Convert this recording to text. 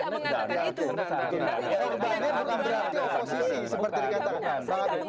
tapi berarti oposisi seperti dikatakan